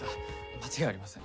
間違いありません。